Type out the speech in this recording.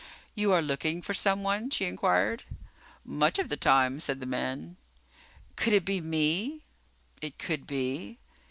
"You are looking for someone?" she inquired. "Much of the time," said the man. "Could it be me?" "It could be."